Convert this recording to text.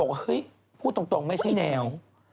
บอกว่าเฮ้ยพูดตรงไม่ใช่แนว